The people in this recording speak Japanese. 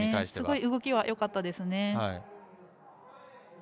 すごい動きはよかったですね。